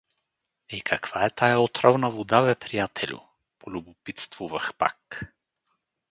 — Е, каква е тая отровна вода бе, приятелю? — полюбопитствувах пак.